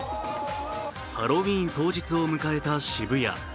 ハロウィーン当日を迎えた渋谷。